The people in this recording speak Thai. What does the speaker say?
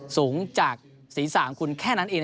สูงจากศีรษะของคุณแค่นั้นเอง